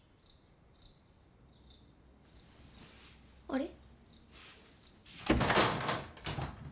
あれ？